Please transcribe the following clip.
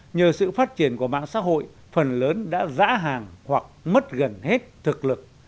nhờ sự phát triển của mạng xã hội phần lớn đã giã hàng hoặc mất gần hết thực lực